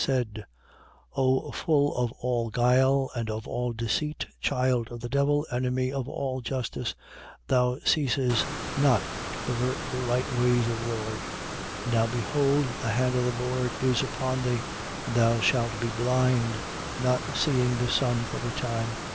Said: O full of all guile and of all deceit, child of the devil, enemy of all justice, thou ceases not to pervert the right ways of the Lord. 13:11. And now behold, the hand of the Lord is upon thee: and thou shalt be blind, not seeing the sun for a time.